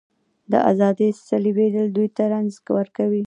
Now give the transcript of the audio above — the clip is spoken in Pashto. د ازادۍ سلبېدل دوی ته رنځ ورکوي.